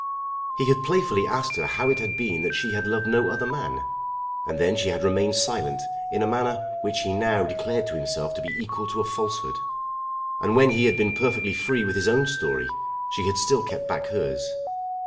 He had playfully asked her how it had been that she had loved no other man, and then she had remained silent in a manner which he now declared to himself to be equal to a falsehood. And when he had been perfectly free with his own story, she had still kept back hers.